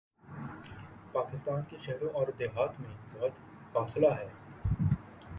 پاکستان کے شہروں اوردیہات میں بہت فاصلہ ہے۔